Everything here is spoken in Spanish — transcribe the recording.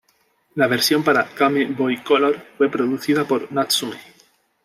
La versión para Game Boy Color fue producida por Natsume.